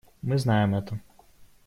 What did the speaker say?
Мы знаем это.